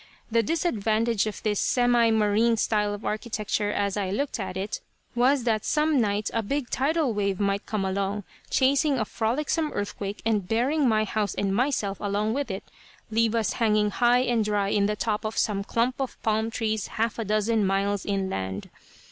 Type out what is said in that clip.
The disadvantage of this semi marine style of architecture, as I looked at it, was that some night a big tidal wave might come along, chasing a frolicsome earthquake, and bearing my house and myself along with it, leave us hanging high and dry in the tops of some clump of palm trees half a dozen miles inland.